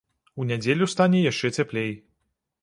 У нядзелю стане яшчэ цяплей.